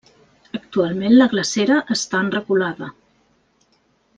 Actualment la glacera està en reculada.